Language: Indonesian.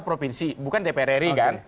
provinsi bukan dprri kan